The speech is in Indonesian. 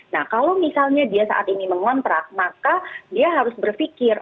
nah kalau misalnya dia saat ini mengontrak maka dia harus berpikir